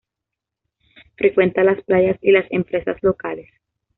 Frecuenta las playas y las empresas locales.